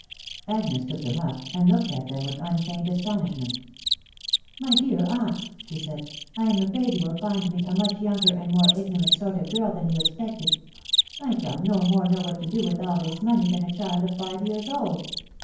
Agnes took them up, and looked at them with unfeigned astonishment. " My dear aunt," she said, " I am afraid you' will find me a much younger and more ignorant sort of girl than you expected .... I shall no more know what to do with all this money than a child of fxwe years old.